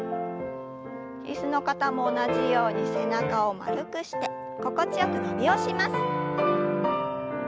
椅子の方も同じように背中を丸くして心地よく伸びをします。